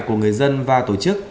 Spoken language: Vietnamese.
của người dân và tổ chức